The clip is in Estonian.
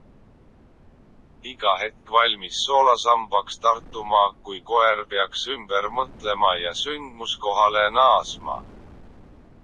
Iga hetk valmis soolasambaks tarduma, kui koer peaks ümber mõtlema ja sündmuskohale naasma.